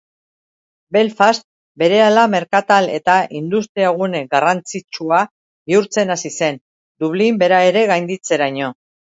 Belfast berehala merkatal eta industriagune garrantzitsua bihurtzen hasi zen, Dublin bera ere gainditzeraino.